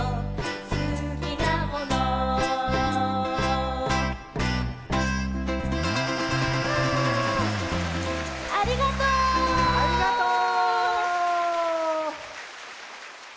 「すきなもの」ありがとう！ありがとう！